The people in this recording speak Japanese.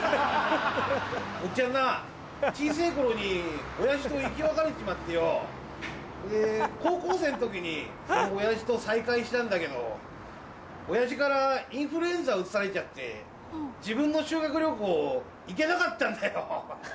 おっちゃんな小せぇ頃に親父と生き別れちまってよで高校生の時にその親父と再会したんだけど親父からインフルエンザうつされちゃって自分の修学旅行行けなかったんだよ。